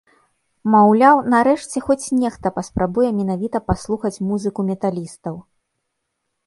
Маўляў, нарэшце хоць нехта паспрабуе менавіта паслухаць музыку металістаў.